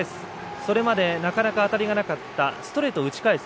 それまでなかなか当たりがなかったストレートを打ち返す。